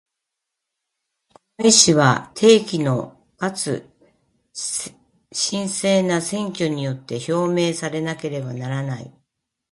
この意思は、定期のかつ真正な選挙によって表明されなければならない。